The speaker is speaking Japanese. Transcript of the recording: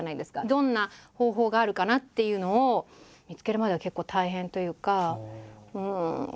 どんな方法があるかなっていうのを見つけるまでは結構大変というか。